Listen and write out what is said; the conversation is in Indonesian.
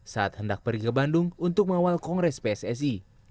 saat hendak pergi ke bandung untuk mengawal kongres pssi